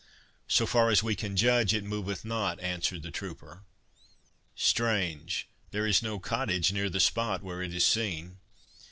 "So far as we can judge, it moveth not," answered the trooper. "Strange—there is no cottage near the spot where it is seen."